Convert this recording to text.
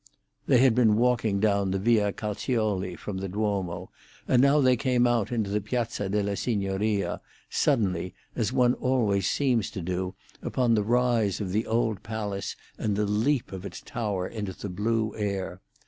They had been walking down the Via Calzioli from the Duomo, and now they came out into the Piazza della Signoria, suddenly, as one always seems to do, upon the rise of the old palace and the leap of its tower into the blue air.